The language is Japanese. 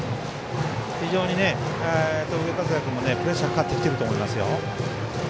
非常に上加世田君もプレッシャーかかってきてると思います。